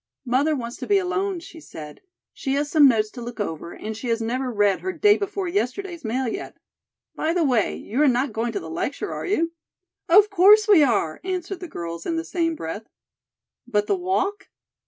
"Mother wants to be alone," she said. "She has some notes to look over, and she has never read her day before yesterday's mail yet. By the way, you are not going to the lecture, are you?" "Of course we are," answered the girls in the same breath. "But the walk?"